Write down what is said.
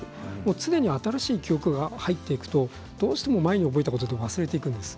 常に新しい記憶が入っていくと前に覚えたことを忘れていくんです。